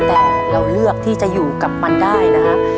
แต่เราเลือกที่จะอยู่กับมันได้นะครับ